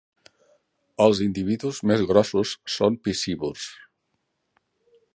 Els individus més grossos són piscívors.